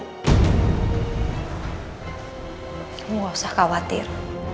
kamu gak usah khawatir